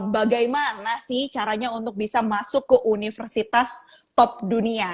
bagaimana sih caranya untuk bisa masuk ke universitas top dunia